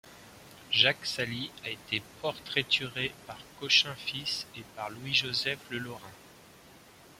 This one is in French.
Jacques Saly a été portraituré par Cochin fils et par Louis-Joseph Le Lorrain.